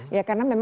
ya karena memang